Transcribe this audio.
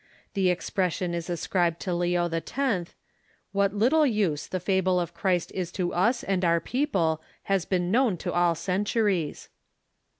The expression is ascribed to Leo X. : "What little use the fable of Christ is to us and our people has been known to all centuries."